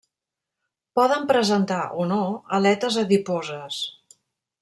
Poden presentar o no aletes adiposes.